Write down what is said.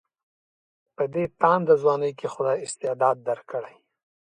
په دې تانده ځوانۍ کې خدای استعداد درکړی.